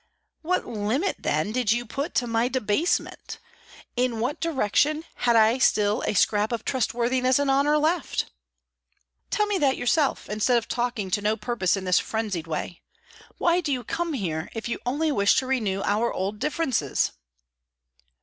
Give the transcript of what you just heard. "What limit, then, did you put to my debasement? In what direction had I still a scrap of trustworthiness and honour left?" "Tell me that yourself, instead of talking to no purpose in this frenzied way. Why do you come here, if you only wish to renew our old differences?"